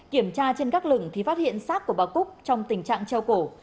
kiểm tra trên các lửng thì phát hiện sát của bà cúc trong tình trạng treo cổ